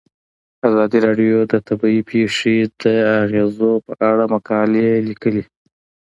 ازادي راډیو د طبیعي پېښې د اغیزو په اړه مقالو لیکلي.